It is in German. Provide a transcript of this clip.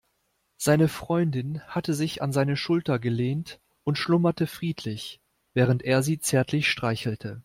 Seine Freundin hatte sich an seine Schulter gelehnt und schlummerte friedlich, während er sie zärtlich streichelte.